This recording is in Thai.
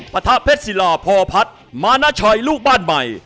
ปะทะเพชรศิลาพอพัฒน์มานาชัยลูกบ้านใหม่